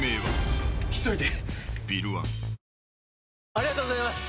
ありがとうございます！